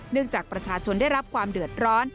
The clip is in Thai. จากประชาชนได้รับความเดือดร้อน